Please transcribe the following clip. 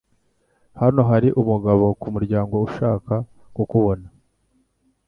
Hano hari umugabo kumuryango ushaka kukubona.